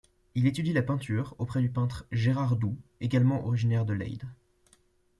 Il étudie la peinture auprès du peintre Gérard Dou, également originaire de Leyde.